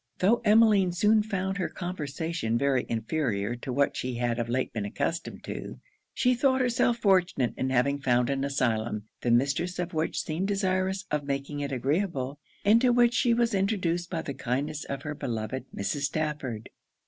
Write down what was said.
Though Emmeline soon found her conversation very inferior to what she had of late been accustomed to, she thought herself fortunate in having found an asylum, the mistress of which seemed desirous of making it agreeable; and to which she was introduced by the kindness of her beloved Mrs. Stafford.